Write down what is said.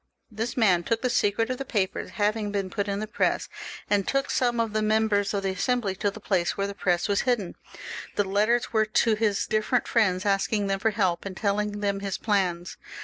This man told the secret of the papers having been put in the press, and took some of the mem bers of the Assembly to the place where the press was hidden. The letters were to his different fidends, asking them for help, and telling them his plans.